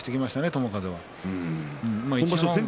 友風は。